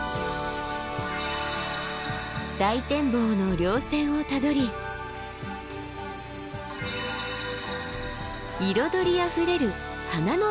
大展望の稜線をたどり彩りあふれる花の山へ。